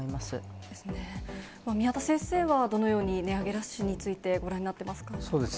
宮田先生はどのように、値上げラッシュについてご覧になってますか。